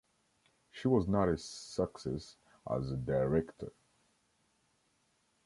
She was not a success as a director.